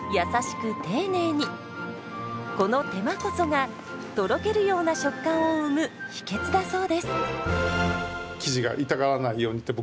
この手間こそがとろけるような食感を生む秘訣だそうです。